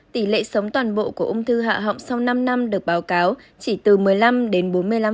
tỷ lệ sống toàn bộ của ung thư hạ họng sau năm năm được báo cáo chỉ từ một mươi năm đến bốn mươi năm